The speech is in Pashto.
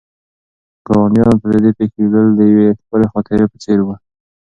ګاونډیانو ته د دې پېښې لیدل د یوې ښکلې خاطرې په څېر وو.